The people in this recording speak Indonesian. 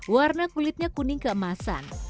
warna kulitnya kuning keemasan